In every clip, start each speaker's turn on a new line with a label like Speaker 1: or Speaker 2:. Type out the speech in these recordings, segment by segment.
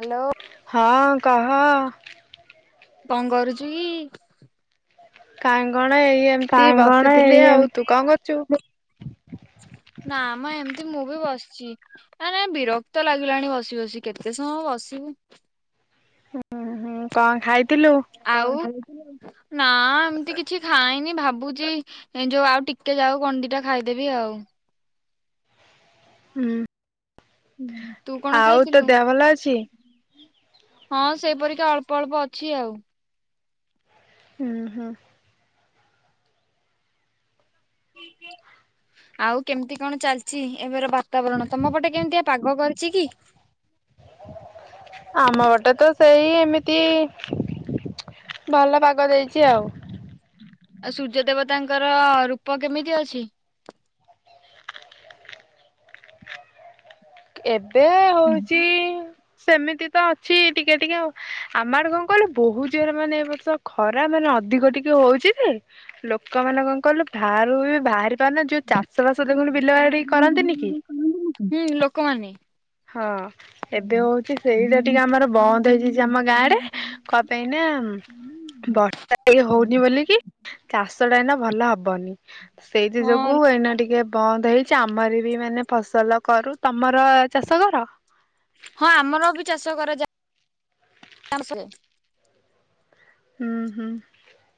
Speaker 1: Hello.
Speaker 2: ହଁ କହ।
Speaker 1: କୁ କରୁଚୁ କି?
Speaker 2: କାଇଁ କଣ ଏଇ ଏମତି
Speaker 1: କାଇଁ କଣ ଏଇ
Speaker 2: ବସିଥିଲି
Speaker 1: ଏମ୍
Speaker 2: ଆଉ ତୁ କଁ କରୁଚୁ?
Speaker 1: ନାଁ ମ ଏମତି ମୁଁ ବି ବସଚି। ଆରେ ବିରକ୍ତ ଲାଗିଲାଣି ବସି ବସି କେତେ ସମୟ ବସିବୁ?
Speaker 2: ହୁଁ ହୁଁ କଁ ଖାଇଥିଲୁ?
Speaker 1: ଆଉ ନାଁ ଏମତି କିଛି ଖାଇନି ଭାବୁଚି ଏଁ ଯୋଉ ଆଉ ଟିକେ ଯାଉ କଣ ଦିଟା ଖାଇଦେବି ଆଉ।
Speaker 2: ହୁଁ।
Speaker 1: ତୁ କ
Speaker 2: ଆଉ ତୋ ଦେହ ଭଲ ଅଛି?
Speaker 1: ହଁ ସେଇ ପରିକା ଅଳ୍ପ ଅଳ୍ପ ଅଛି ଆଉ।
Speaker 2: ହୁଁ ହୁଁ।
Speaker 1: ଆଉ କେମତି କଣ ଚାଲଚି ଏବେର ବା ତାବରଣ ତମ ପଟେ କେମିତିଆ ପାଗ କରିଚି କି?
Speaker 2: ଆମ ପଟେ ତ ସେଇ ଏମିତି ଭଲ ପାଗ ଦେଇଚି ଆଉ।
Speaker 1: ଆଉ ସୂର୍ଯ୍ୟ ଦେବତାଙ୍କର ରୂପ କେମିତି ଅଛି?
Speaker 2: ଏବେ ହୋଉଚି ସେମିତି ତ ଅଛି ଟିକେ ଟିକେ ଆଉ ଆମ ଆଡ଼େ କଁ କହିଲ ବୋହୁ ଜୋରେ ମାନେ ଏ ବର୍ଷ ଖରା ମାନେ ଅଧିକ ଟିକେ ହୋଉ ଚି ଯେ ଲୋକମାନେ କଣ କଲୁ ବାହାରକୁ ବି ବାହାରି ପାରୁନା ଯଉ ଚାଷ ବାସ ଦେଖନୁ ବିଲ ବାଡ଼ି କରନ୍ତିନି କି?
Speaker 1: ହୁଁ ଲୋକମାନେ।
Speaker 2: ହଁ ଏବେ ହଉଛି ସେଇଟା ଟିକେ ଆମର ବନ୍ଦ ହେଇଯାଇ ଯିଏ ଆମ ଗାଁ ରେ କ ପାଇ ନା। ବର୍ଷା ଟିକେ ହଉନି ବୋଲିକି ଚାଷ ଟା ଏଇନା ଭଲ ହବନି। ସେଇଥି ଯୋଗୁ
Speaker 1: ହଁ
Speaker 2: ଏଇନା ଟିକେ ବନ୍ଦ ହେଇଚି ଆମର ବି ମାନେ ଫସଲ କରୁ ତମର। ଚାଷ କର?
Speaker 1: ହଁ ଆମର ବି ଚାଷ କରାଯାଏ।
Speaker 2: ହୁଁ ହୁଁ।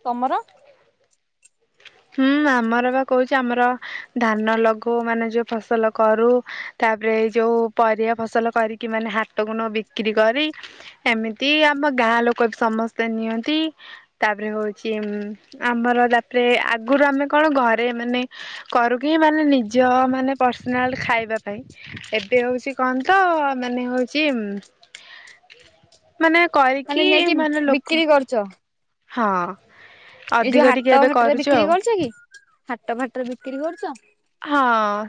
Speaker 1: ତମର?
Speaker 2: ହୁଁ ଆମର ବା କହୁଚି ଆମର ଧାନ ଲଗଉ ମାନେ ଯଉ ଫସଲ କରୁ। ତାପରେ ଏଇ ଯେଉଁ ପରିବା ଫସଲ କରିକି ମାନେ ହାଟକୁ ନଉ ବିକ୍ରି କରି। ଏମିତି ଆମ ଗାଁ ଲୋକ ବି ସମସ୍ତେ ନିଅନ୍ତି। ତାପରେ ହଉଛି ଉ ଆମର ତାପରେ ଆଗରୁ ଆମେ କଣ ଘରେ ମାନେ। କରୁ କିି ମାନେ ନିଜ ମାନେ ପର୍ସନାଲ ଖାଇବା ପାଇଁ। ଏବେ ହଉଛି କଣ ତ ମାନେ ହଉଛି। ମାନେ କରିକି ମାନେ ଲୋକ
Speaker 1: ଞ୍ଚ
Speaker 2: ହଁ
Speaker 1: ଏଇ
Speaker 2: ଅଧିକ
Speaker 1: ଯୋଉ
Speaker 2: ଟିକେ
Speaker 1: ହାଟ
Speaker 2: ଏବେ
Speaker 1: ଫାଟ ରେ
Speaker 2: କରୁଛୁ
Speaker 1: ବିକ୍ରି
Speaker 2: ଆଉ।
Speaker 1: କରୁଛ କି ହାଟ ଫାଟ ରେ ବିକ୍ରି କରୁଛ?
Speaker 2: ହଁ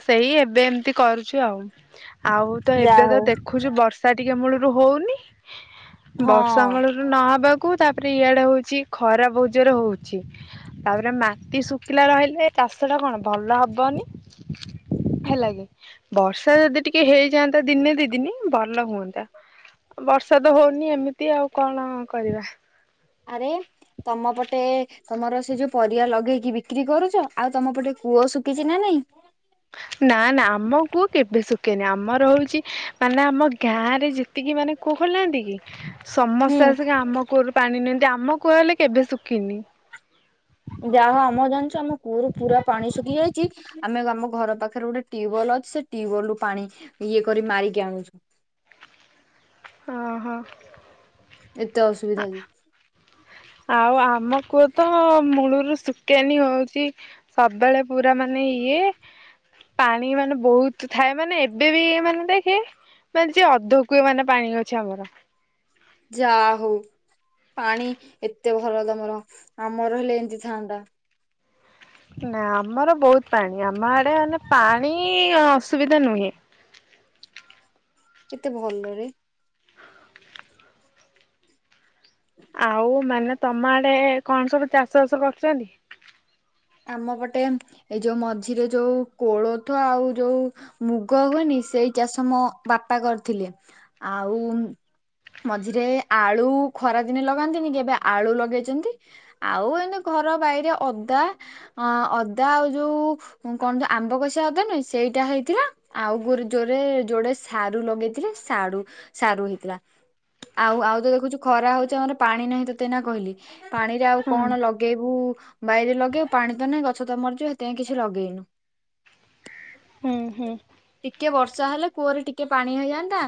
Speaker 2: ସେଇ ଏବେ ଏମିତି କରୁଛୁ ଆଉ ଆଉ ତ
Speaker 1: ଯା
Speaker 2: ଏବେ ତ ଦେଖ।
Speaker 1: ହଉ।
Speaker 2: ଦେଖୁଛୁ ବର୍ଷା ଟିକେ ମୂଳରୁ ହଉନି
Speaker 1: ହଁ
Speaker 2: ବର୍ଷାମୂଳ। ନହବାକୁ ତାପରେ ଇଆଡେ ହଉଛି ଖରା ବୋଜର ହଉଛି। ତାପରେ ମାଟି ଶୁଖିଲା ରହିଲେ ଚାଷ ଟା କଣ ଭଲ ହବ। ବନି ହେଲା କି। ବର୍ଷା ଯଦି ଟିକେ ହେଇଯାଆନ୍ତା ଦିନେ ଦି ଦିନି ଭଲ ହୁଅନ୍ତା। ବର୍ଷା ତ ହଉନି ଏମିତି ଆଉ କଣ କରିବା।
Speaker 1: ଆରେ ତମ ପଟେ? ତମର ସେ ଯୋଉ ପରିବା ଲଗେଇକି ବିକ୍ରି କରୁଛ ଆଉ ତମ ପଟେ କୂଅ ଶୁଖିଛି ନା ନାଇଁ?
Speaker 2: ନା ନା ଆମକୁ କେବେ ଶୁଖେନି ଆମର ରହୁଛି ମାନେ ଆମ ଗାଁ ରେ ଯେ ଟତିକି ମାନେ କୁହୁନାହାନ୍ତି କି
Speaker 1: ହୁଁ
Speaker 2: ସମସ୍ତେ ଆସିକି ଆମ କୂଅରୁ ପାଣି ନିଅନ୍ତି ଆମ କୂଅ ହେଲେ କେବେ ଶୁଖିନି।
Speaker 1: ଯାହା ଆମ ଜାଣିଛୁ ଆମ କୂଅ ର ପୁରା ପାଣି ଶୁଖି ଯାଇଛି। ଆମେ ଆମ ଘର ପାଖରେ ଗୋଟେ ଟ୍ୟୁବୱେଲ ଅଛି ସେ ଟ୍ୟୁବଲ ରୁ ପାଣି ଇଏ କରି ମାରିକି ଆଣୁଛୁ।
Speaker 2: ଓହୋ।
Speaker 1: ଏତେ ଅସୁବିଧା ଯେ
Speaker 2: ଆଉ ଆମ କୁଅ ତ ମୂଳରୁ ଶୁଖନି ହଉଛି। ସବୁବେଳେ ପୁରା ମାନେ ଇଏ। ପାଣି ମାନେ ବହୁତ ଥାଏ ମାନେ ଏବେ ବି ମାନେ ଦେଖେ। ମାନେ ଯ ଅଧ କୁଏ ମାନେ ପାଣି ଅଛି ଆମର।
Speaker 1: ଯା ହଉ ପାଣି ଏତେ ଭଲ ତମର ଆମର ହେଲେ ଏମିତି ଥାନ୍ତା।
Speaker 2: ନା ଆମର ବହୁତ ପାଣି ଆମ ଆଡେ ମାନେ ପାଣି ଅସୁବିଧା ନୁହେଁ।
Speaker 1: କେତେ ଭଲରେ
Speaker 2: ଆଉ ମାନେ ତମ ଆଡେ କଣ ସବୁ ଚାଷ ବାସ କରୁଛନ୍ତି?
Speaker 1: ଆମ ଗୋଟେ ଏଇ ଯୋଉ ମଝିରେ ଯୋଉ କୋଳଥ ଆଉ ଯୋଉ ମୁଗ ହୁଏନି ସେଇ ଚାଷ ମୋ ବାପା କରିଥିଲେ, ଆଉ ମଝିରେ ଆଳୁ ଖରା ଦିନେ ଲଗାନ୍ତିନି କି ଏବେ ଆଳୁ ଲଗେଇଛନ୍ତି। ଆଉ ଏମତି ଘର ବାଇରେ ଅଦା ଅ ଅଦା ଆଉ ଯୋଉ ଉଁ କଣ ଯେ ଆମ୍ବ କସିଆ ଅଜା ନୁହେଁ ସେଇଟା ହେଇଥିଲା। ଆଉ ଗୋ ଯୋରେ ଯୋଉଟେ ସାରୁ ଲଗେଇଥିଲେ ସାରୁ ସାରୁ ହେଇଥିଲା। ଆଉ ଆଉ ତ ଦେଖୁଛୁ ଖରା ହଉଛି ଆମର ପାଣି ନାହିଁ ତତେ ଏଇନା କହିଲି। ପାଣିରେ ଆଉ
Speaker 2: ହୁଁ
Speaker 1: କଣ ଲଗେଇବୁ ବାଇରେ ଲଗେଇବ ପାଣି ତ ନାହିଁ ଗଛ ତ ମରିଯିବ ସେଥିପାଇଁ କିଛି ଲଗେଇନୁ।
Speaker 2: ହୁଁ ହୁଁ।
Speaker 1: ଟିକେ ବର୍ଷା ହେଲେ କୂଅରେ ଟିକେ ପାଣି ହେଇଯାନ୍ତା,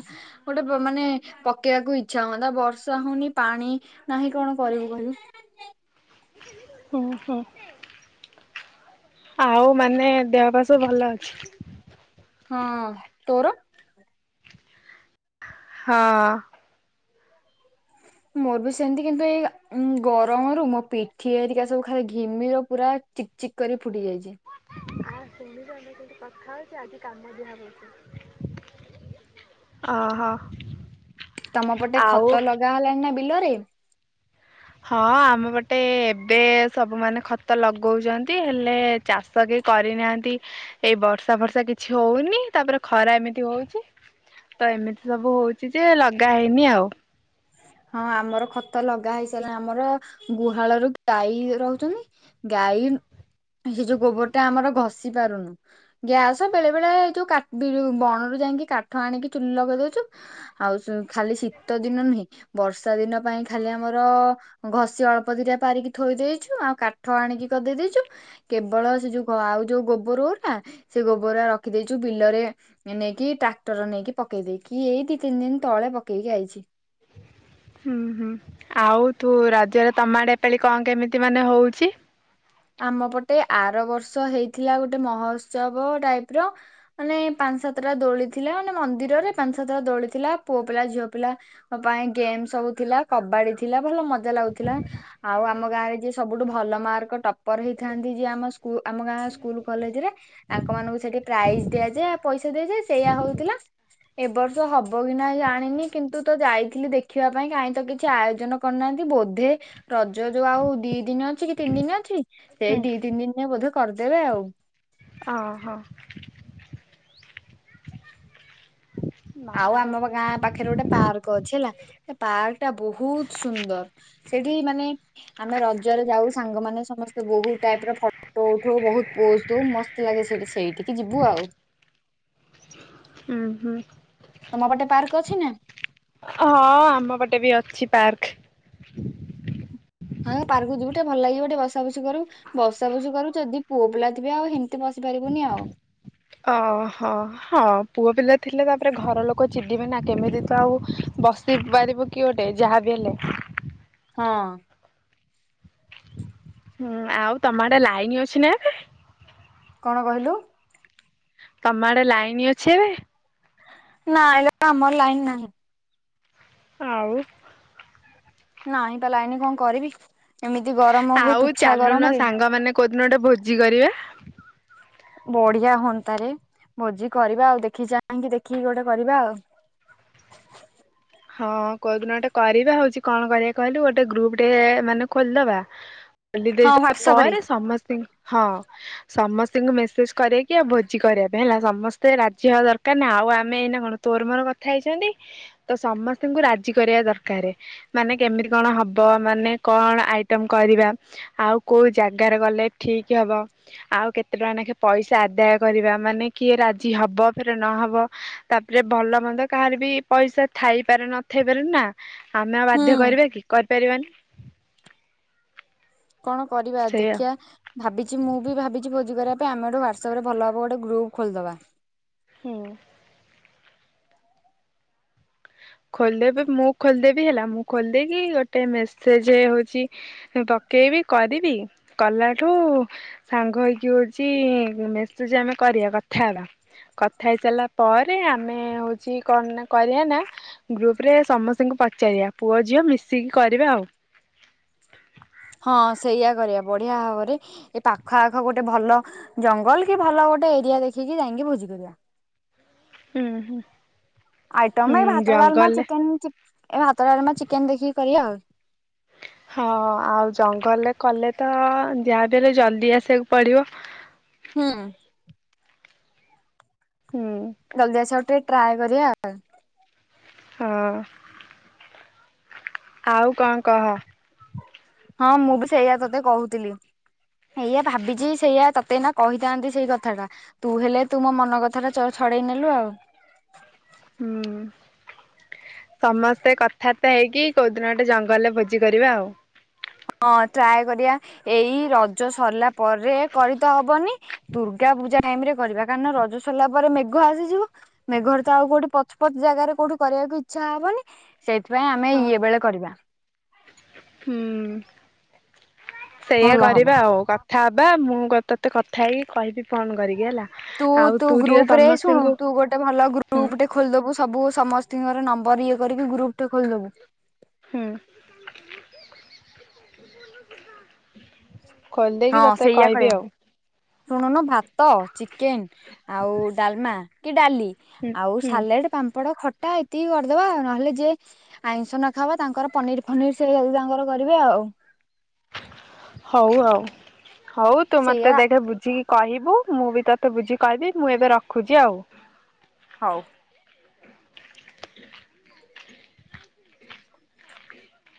Speaker 1: ଗୋଟେ ମାନେ ପକେଇବାକୁ ଇଚ୍ଛା ହୁଅନ୍ତା ବର୍ଷା ହଉନି ପାଣି ନାହିଁ କଣ କରିବୁ କହିଲ।
Speaker 2: ହୁଁ ହୁଁ। ଆଉ ମାନେ ଦେହ ପା ସବୁ ଭଲ ଅଛି?
Speaker 1: ହଁ ତୋର?
Speaker 2: ହଁ।
Speaker 1: ମୋର ବି ସେମିତି କିନ୍ତୁ ଏଇ ଗରମରୁ ମୋ ପିଠି ଏରିକା ସବୁ ଖାଲି ଘିମିର ପୁରା ଚିକ ଚିକ୍ କରି ଫୁଟି ଯାଇଛି।
Speaker 2: ଆଉ ଶୁଣିଥାନ୍ତେ କେମିତି କଥା ହଉଛି ଆଜି କାମ ଦିଆ ହବ ବୋଧେ। ଅହ।
Speaker 1: ତମ ପଟେ ଖତଲଗା ହେଲାଣିନା ବିଲରେ।
Speaker 2: ହଁ ଆମପଟେ ଏବେ ସବୁମାନେ ଖତ ଲଗଉଛନ୍ତି ହେଲେ ଚାଷ କେଇ କରିନାହାନ୍ତି, ଏଇ ବର୍ଷା ଫର୍ଷା କିଛି ହଉନି। ତାପରେ ଖରା ଏମିତି ହଉଛି। ତ ଏମିତି ସବୁ ହଉଛି ଯେ ଲଗା ହେଇନି ଆଉ।
Speaker 1: ହଁ ଆମର ଖତ ଲଗା ହେଇସାରିଲାଣି ଆମର ଗୁହାଳରୁ ଗାଈ ରହୁଛନ୍ତି। ଗାଈ ସେ ଯୋଉ ଗୋବର ଟା ଆମର ଘଷି ପାରୁନୁ। ଗ୍ୟାସ ବେଳେ ବେଳେ ଏ ଯୋଉ କାଠ୍ ବିରୁ ବଣରୁ ଯାଇକି କାଠ ଆଣିକି ଚୁଲି ଲଗେଇ ଦଉଛୁ। ଆଉ ସ‌ଉ ଖାଲି ଶୀତ ଦିନ ନୁହେଁ ବର୍ଷାଦିନ ପାଇଁ ଖାଲି ଆମର ଘଷି ଅଳ୍ପ ଦିଟା ପାରିକି ଥୋଇ ଦେଇଛୁ ଆଉ କାଠ ଆଣିକି ଗଦେଇ ଦେଇଛୁ। କେବଳ ସେ ଯୋଉ ଆଉ ଯୋଉ ଗୋବରଗୁରା ସେ ଗୋବରା ରଖିଦେଇଛୁ ବିଲରେ ଏନେଇକି ଟ୍ରାକ୍ଟର ନେଇକି ପକେଇ ଦେଇେଇକି ଏଇ ଦି ତିନି ଦିନ ତଳେ ପକେଇକି ଆଇଛି।
Speaker 2: ହୁଁ ହୁଁ ଆଉ ତୁ ରଜରେ ତମ‌ଆଡେ ଏପାଳି କଣ କେମିତି ମାନେ ହଉଛି?
Speaker 1: ଆମ ପଟେ ଆର ବର୍ଷ ହେଇଥିଲା ଗୋଟେ ମହୋତ୍ସବ ଟାଇପ୍ ର। ମାନେ ପାଞ୍ଚ ସାତଟା ଦୋଳି ଥିଲା ମାନେ ମନ୍ଦିରରେ ପାଞ୍ଚ ସାତଟା ଦୋଳି ଥିଲା ପୁଅ ପିଲା ଝିଅ ପିଲା ମୋ ପାଇଁ ଗେମ୍ ସବୁ ଥିଲା କବାଡିଥିଲା ଭଲ ମ ମଜା ଲାଗୁଥିଲା ଆଉ ଆମ ଗାଁରେ ଯିଏ ସବୁଠୁ ଭଲ ମାର୍କ ଟ ପର ହେଇଥାନ୍ତି ଯିଏ ଆମ ସ୍କୁ ଆମ ଗାଁ ସ୍କୁଲ କଲେଜରେ କ୍ ତାଙ୍କମାନଙ୍କୁ ସେଠି ପ୍ରାଇସ ଦିଆଯାଏ ଆଉ ପଇସା ଦିଆଯାଏ ସେଇଆ ହଉଥିଲା। ଏ ବର୍ଷ ହବ କି ନାହିଁ ଜାଣିନି କିନ୍ତୁ ତ ଯା ଯାଇଥିଲି ଦେଖିବା ପାଇଁ କାହିଁତ କିଛି ଆୟୋଜନ କରିନାହାନ୍ତି ବୋଧେ ରଜ ଯୋଉ ଆଉ ଦି ଦିନ ଅଛି କି ତିନି ଦିନ ଅଛି ସେଇ ଦି ତିନି ଦିନରେ ବୋଧେ କରିଦେବେ ଆଉ।
Speaker 2: ଅହ।
Speaker 1: ଆଉ ଆମ ଗାଁ ପାଖରେ ଗୋଟେ ପାର୍କଅଛି ହେଲା ସେ ପାର୍କଟା ବହୁତ ସୁନ୍ଦର। ସେଇଠି ମାନେ ଆମେ ରଜରେ ଯାଉ ସାଙ୍ଗମାନେ ସମସ୍ତେ ବହୁତ ଟାଇପ ର ଫଟୋ ଉଠଉ, ବହୁତ ପୋଜ ଦୋଉ ମସ୍ତ୍ ଲାଗେ ସେଠି ସେଇଠିକି ଯିବୁ ଆଉ।
Speaker 2: ହୁଁ ହୁଁ।
Speaker 1: ତମ ପଟେ ପାର୍କ ଅଛି ନା?
Speaker 2: ହଁ ଆମ ପଟେ ବି ଅଛି ପାର୍କ।
Speaker 1: ହଁ ପାର୍କକୁ ଯିବୁ ଟିକେ ଭଲ ଲାଗିବ ଟିକେ ବସାବସି କରିବୁ। ବସାବସି କରିବୁ ଯଦି ପୁଅ ପିଲା ଥିବେ ଆଉ ହେମିତି୍ ବସିି ପାରିବୁନି ଆଉ।
Speaker 2: ଅହ ହଁ ପୁଅ ପିଲା ଥିଲେ ତାପରେ ଘର ଲୋକ ଚିଡିବେ ନା। କେମିତିତ ଆଉ ବସ୍ ପାରିବୁ କି ଗୋଟେ ଯାହା ବି ହେଲେ।
Speaker 1: ହଁଅଁ
Speaker 2: ହୁଁ ଆଉ ତମ ‌ଆଡେ ଲାଇନ ଅଛି ନାଏବେ।
Speaker 1: କଣ କହିଲୁ?
Speaker 2: ତମ ଆଡେ ଲାଇନ ଅଛି ଏବେ?
Speaker 1: ନାଇଲୋ ଆମର ଲାଇନ ନାହିଁ।
Speaker 2: ଆଉ
Speaker 1: ନାହିଁ ପା ଲାଇନ କଣ କରିବି? ଏମିତି ଗରମ ତୁଚ୍ଛା ଗରମରେ।
Speaker 2: କୋଉଦିନଗୋଟେ ଭୋଜି କରିବା।
Speaker 1: ବଢିଆ ହୁଅନ୍ତାରେ ଭୋଜି କରିବା ଆଉ। ଦେଖି ଚାହିଁକି ଦେଖିକି ଗୋଟେ କରିବା ଆଉ।
Speaker 2: ହଁ କୋଉଦିନ ଗୋଟେ କରିବା ହଉଛି କଣ କରିବା କହିଲୁ ଗୋଟେ ଗ୍ରୁପଟେ ମାନେ ଖୋଲିଦବା। ଖୋଲି ଦେଇ
Speaker 1: ହଁ
Speaker 2: ସାରିଲା
Speaker 1: ହ୍ୱାଟ୍ସଆପ ରେ
Speaker 2: ପରେ ସମସ୍ତିଙ୍କୁ ହଁ ସମସ୍ତିଙ୍କୁ ମେସେଜ କରେଇକି ଆଉ ଭୋଜି କରିବା ପାଇଁ ହେଲା। ସମସ୍ତେ ରାଜିହବା ଦରକାର ନା ଆଉ ଆମେ ଏଇନା କଣ ତୋର ମୋର କଥା ହେଇଛନ୍ତି ତ ସମସ୍ତଙ୍କୁ ରାଜି କରିବା ଦରକାରେ। ମାନେ କେମିତି କଣ ହବ ମାନେ କଣ ଆଇଟମ କରିବା? ଆଉ କୋଉ ଜାଗାରେ କଲେ ଠିକ୍ ହବ। ଆଉ କେତେ ଟଙ୍କା ନାଖେ ପଇସା ଆଦାୟ କରିବା ମାନେ କିଏ ରାଜି ହବ ଫେରେ ନହବ। ତାପରେ ଭଲ ମନ୍ଦ କାହାର ବି ପଇସା ଥାଇପାରେ ନଥାଇପାରେ ନା ଆମେ ଆଉ ବାଧ୍ୟ
Speaker 1: ହୁଁ
Speaker 2: କରିବା କି କରିପାରିବାନି।
Speaker 1: କଣ କରିବା?
Speaker 2: ସେଇଆ
Speaker 1: ଦେଖିଆ। ଭାବିଛି ମୁଁ ବି ଭାବିଛି ଭୋଜି କରିବା ପାଇଁ ଆମର ହ୍ୱାଟସପ ରେ ଭଲ ହବ ଗୋଟେ ଗ୍ରୁପ୍ ଖୋଲିଦବା।
Speaker 2: ହୁଁ ଖୋୋଲିଦେବେ ମୁଁ ଖୋଲିଦେବି ହେଲା। ମୁଁ ଖୋଲିଦେଇ କି ଗୋଟେ ମେସେଜେ ହଉଚି ପକେଇବି କରିବି କଲାଠୁ ସାଙ୍ଗ ହେଇକି ହଉଛି ମେସେଜେ ଆମେ କରିବା କଥା ହବା। କଥା ହେଇସାରିଲା ପରେ ଆମେ ହଉଛି କଣ କରିବା ନାଁ ଗ୍ରୁପ ରେ ସମସ୍ତଙ୍କୁ ପଚାରିବା ପୁଅ ଝିଅ ମିଶିକି କରିବା ଆଉ।
Speaker 1: ହଁ ସେଇଆ କରିବା ବଢ଼ିଆ ହବରେ। ଏ ପାଖ ଆଖ ଗୋଟେ ଭଲ ଜଙ୍ଗଲ କି ଭଲ ଗୋଟେ ଏରିଆ ଦେଖିକି ଯାଇକି ଭୋଜି କରିବା।
Speaker 2: ହୁଁ ହୁଁ ହୁଁ
Speaker 1: ଆଇଟମ ଏଇ ଭାତ ଡାଲମା
Speaker 2: ଜଙ୍ଗଲରେ
Speaker 1: ଚିକେନ୍। ଏଇ ଭାତ ଡାଲମା ଚିକେନ୍ ଦେଖିକି କରିବା ଆଉ।
Speaker 2: ହଁ ଆଉ ଜଙ୍ଗଲରେ କଲେ ତ ଯାହାବି ହେଲେ ଜଲ୍ଦି ଆସିବାକୁ ପଡିବ।
Speaker 1: ହୁଁ
Speaker 2: ହୁଁଉଁ
Speaker 1: ଜଲ୍ଦି ଆସିବାକୁ ଟିକେ ଟ୍ରାଏ କରିବା ଆଉ।
Speaker 2: ହଁ। ଆଉ କଣ କହ?
Speaker 1: ହଁ ମୁଁ ବି ସେଇଆ ତତେ କହୁଥିଲି। ଏଇଆ ଭାବିଛି ସେଇୟା ତତେ ନାଁ କହିଥାନ୍ତି ସେଇ କଥାଟା। ତୁ ହେଲେ ତୁ ମୋ ମନ କଥା ଟା ଛଡେଇ ନେଲୁ ଆଉ।
Speaker 2: ହୁଁ। ସମସ୍ତେ କଥାବାର୍ତା ହେଇକି କୋଉ ଦିନ ଗଟେ ଜଙ୍ଗଲରେ ଭୋଜି କରିବା ଆଉ।
Speaker 1: ହଁ ଟ୍ରାଏ କରିବା ଏଇ ରଜ ସରିଲା ପରେ କରି ତ ହବନି। ଦୁର୍ଗା ପୂଜା ଟାଇମ୍ ରେ କରିବା କାର ରଜ ସରିଲା ପରେ ମେଘ ଆସିଯିବ। ମେଘରେ ତ ଆଉ କଉଠି ପଚ ପଚ ଜାଗାରେ କୋଉ କରିବାକୁଇ ଇଛା ହବନି ସେଇଥିପାଇଁ ଆମେ
Speaker 2: ହଁ।
Speaker 1: ଇଏ ବେଳେ କରିବା।
Speaker 2: ହୁଁ ସେଇଆ
Speaker 1: ଭଲ ହବ
Speaker 2: କରିବା ଆଉ ପାପ୍ ଥା ବା ମୁଁ ତତେ କଥା ହେଇକି କହିବି ଫୋନ୍ କରିକି ହେଲା।
Speaker 1: ତୁ
Speaker 2: ଆଉ
Speaker 1: ତୁ
Speaker 2: ଟିକେ
Speaker 1: ଗ୍ରୁପ୍ ରେ ଶୁଣୁ
Speaker 2: ସମସ୍ତଙ୍କୁ
Speaker 1: ତୁ ଗୋଟେ ଭଲ
Speaker 2: ହୁଁ
Speaker 1: ଗ୍ରୁପ୍ ଟେ ଖୋଲିଦବୁ ସବୁ ସମସ୍ତଙ୍କର ନମ୍ବର ଇଏ କରିକି ଗ୍ରୁପ୍ ଟେ ଖୋଲିଦବୁ।
Speaker 2: ହୁଁ। ଖୋଲିଦେଇକି
Speaker 1: ହଁ
Speaker 2: ତତେ
Speaker 1: ସେଇଆ
Speaker 2: କହିବି
Speaker 1: କରିବା
Speaker 2: ଆଉ।
Speaker 1: ଶୁଣୁନୁ ଭାତ ଚିକେନ୍ ଆଉ ଡାଲମା କି ଡାଲି।
Speaker 2: ହୁଁ
Speaker 1: ଆଉ
Speaker 2: ହୁଁ
Speaker 1: ସାଲେଡ, ପାମ୍ପଡ, ଖଟା ଏଇତିକି କରିଦବା ଆଉ ନହେଲେ ଯିଏ ଆଇଁଷ ନ ଖବା ତାଙ୍କର ପନିର ଫନିର ସେଇଦି ତାଙ୍କର କରିବେ ଆଉ।
Speaker 2: ହଉ ଆଉ ହଉ ତୁ ମତେ
Speaker 1: ସେଇଆ
Speaker 2: ଦେଖ ବୁଝିକି କହିବୁ ମୁଁ ବି ତୋତେ ବୁଝି କହିବି ମୁଁ ଏବେ ରଖୁଛି ଆଉ।
Speaker 1: ହଉ।